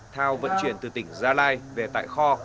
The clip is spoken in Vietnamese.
thao vận chuyển từ tỉnh gia lai về tại kho